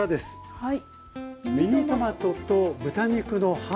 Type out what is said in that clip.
はい。